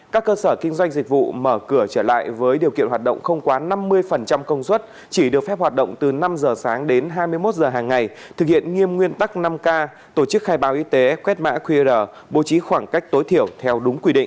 các cơ sở kinh doanh dịch vụ mở cửa trở lại với điều kiện hoạt động không quá năm mươi công suất chỉ được phép hoạt động từ năm giờ sáng đến hai mươi một h hàng ngày thực hiện nghiêm nguyên tắc năm k tổ chức khai báo y tế quét mã qr bố trí khoảng cách tối thiểu theo đúng quy định